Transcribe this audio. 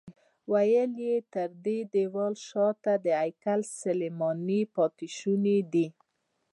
ویل یې تر دې دیوال شاته د هیکل سلیماني پاتې شوني دي.